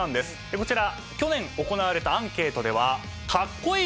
こちら去年行われたアンケートでは「かっこいい」